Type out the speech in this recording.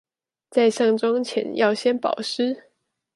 在上妝前要先保濕